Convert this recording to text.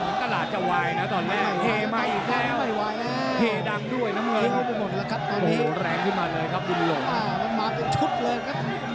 คำถามของตาลานรูปหุ้นจะวายนะตอนแรก